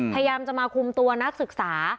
พยายามจะมาคุมตัวนักศึกษา